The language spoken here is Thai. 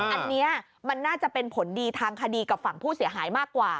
อันนี้มันน่าจะเป็นผลดีทางคดีกับฝั่งผู้เสียหายมากกว่า